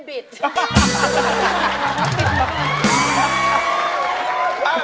ครับมีแฟนเขาเรียกร้อง